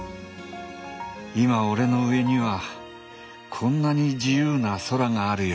今俺の上にはこんなに自由な空があるよ。